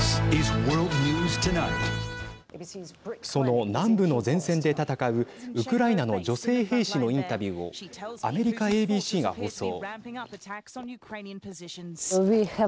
その南部の前線で戦うウクライナの女性兵士のインタビューをアメリカＡＢＣが放送。